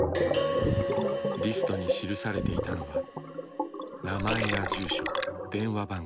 リストに記されていたのは名前や住所電話番号。